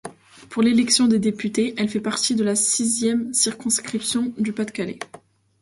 Pour l'élection des députés, elle fait partie de la sixième circonscription du Pas-de-Calais.